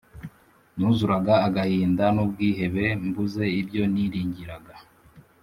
Nuzuraga agahinda n’ubwihebe mbuze ibyo niringiraga